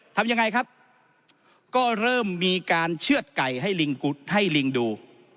ทำยังไงครับก็เริ่มมีการเชื่อดไก่ให้ลิงให้ลิงดู